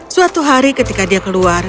suatu hari ketika dia keluar